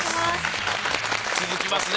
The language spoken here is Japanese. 続きますね